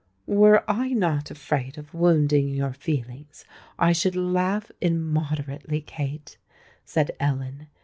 "Were I not afraid of wounding your feelings, I should laugh immoderately, Kate," said Ellen.